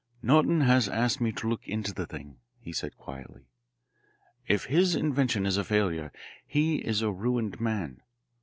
"Norton has asked me to look into the thing," he said quietly. "If his invention is a failure, he is a ruined man.